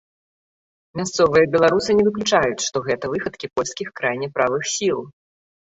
Мясцовыя беларусы не выключаюць, што гэта выхадкі польскіх крайне правых сіл.